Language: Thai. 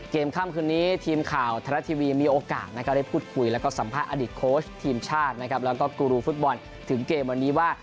เกมข้ามคืนนี้ทีมข่าวธนาทีวีมีโอกาสได้พูดคุยและสัมภาษณ์อดิษฐ์โคชทีมชาติและกูรูฟุตบอลถึงเกมวันนี้ว่า